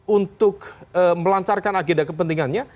untuk melancarkan agenda kepentingannya